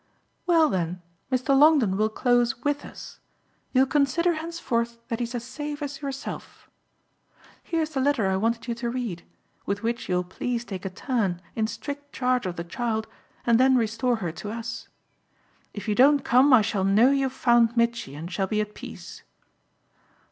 "Well then Mr. Longdon will close WITH us you'll consider henceforth that he's as safe as yourself. Here's the letter I wanted you to read with which you'll please take a turn, in strict charge of the child, and then restore her to us. If you don't come I shall know you've found Mitchy and shall be at peace.